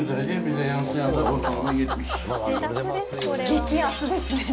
激暑ですね！